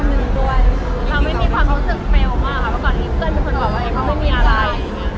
เขาไม่มีความรู้สึกเฟลมากกว่าแล้วก่อนที่เพื่อนมีคนบอกว่าไม่มีอะไร